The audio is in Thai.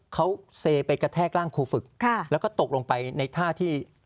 เขาเซไปกระแทกร่างครูฝึกแล้วก็ตกลงไปในท่าที่